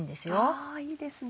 あいいですね。